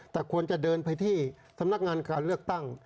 แต่ควรจะเดินไปที่สำนักงานการเลือกตั้ง